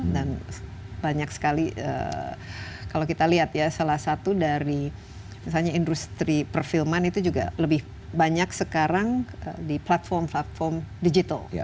banyak sekali kalau kita lihat ya salah satu dari misalnya industri perfilman itu juga lebih banyak sekarang di platform platform digital